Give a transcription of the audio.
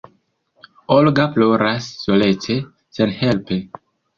Olga ploras solece, senhelpe.